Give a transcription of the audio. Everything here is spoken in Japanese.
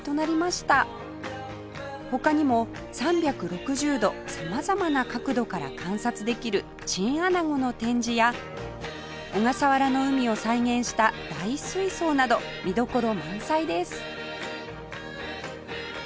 他にも３６０度様々な角度から観察できるチンアナゴの展示や小笠原の海を再現した大水槽など見どころ満載です